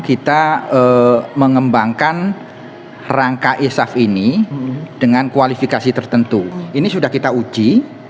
kita mengembangkan rangka esaf ini dengan kualifikasi tertentu ini sudah kita uji